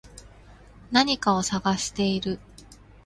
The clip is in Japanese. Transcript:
何かを探している